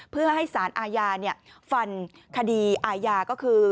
เพื่อให้สารอาญาฟันคดีอาญาก็คือ